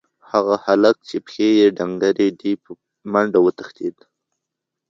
هغه هلک چې پښې یې ډنګرې دي، په منډه وتښتېد.